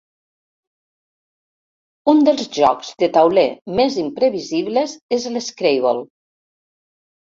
Un dels jocs de tauler més imprevisibles és l'Scrabble.